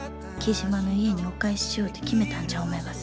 雉真の家にお返ししようと決めたんじゃ思います。